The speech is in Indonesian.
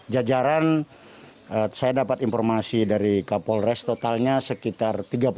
jajaran saya dapat informasi dari kapolres totalnya sekitar tiga puluh